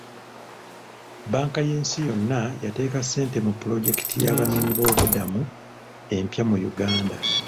Bbanka y'ensi yonna yateeka ssente mu pulojekiti y'abanoonyiboobubudamu empya mu Uganda.